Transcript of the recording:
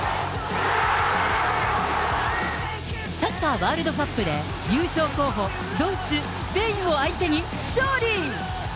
サッカーワールドカップで、優勝候補、ドイツ、スペインを相手に勝利。